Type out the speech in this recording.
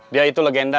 dia itu legenda